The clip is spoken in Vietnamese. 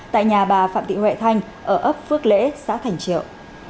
tại nhà bà phạm thị huệ thanh ở ấp phước lễ xã thành triệu